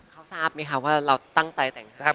เขาทราบไหมคะว่าเราตั้งใจแต่งงาน